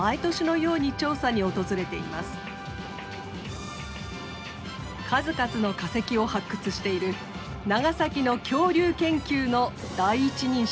数々の化石を発掘している長崎の恐竜研究の第一人者です。